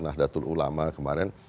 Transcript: nahdlatul ulama kemarin